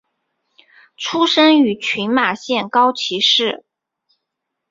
出身于群马县高崎市。